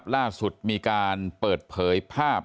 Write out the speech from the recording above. ล่าสุดมีการเปิดเผยภาพ